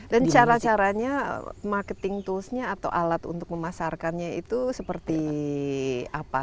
dan cara caranya marketing tools nya atau alat untuk memasarkannya itu seperti apa